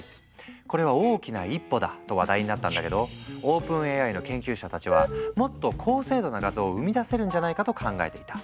これは大きな一歩だと話題になったんだけどＯｐｅｎＡＩの研究者たちはもっと高精度な画像を生み出せるんじゃないかと考えていた。